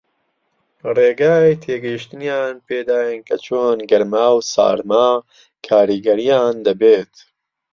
ڕێگای تێگەیشتنیان پێ داین کە چۆن گەرما و سارما کاریگەرییان دەبێت